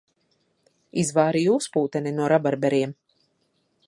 Izvārīju uzpūteni no rabarberiem.